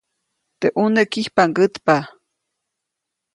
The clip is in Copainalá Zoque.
Teʼ ʼuneʼ kijpʼaŋgätpa.